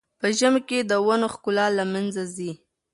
په ژمي کې د ونو ښکلا له منځه ځي.